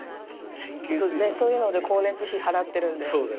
そういうので光熱費払ってるんで。